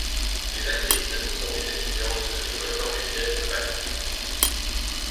Les actrices sont des étudiantes de l'école norvégienne de ballet.